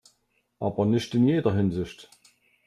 Aber nicht in jeder Hinsicht.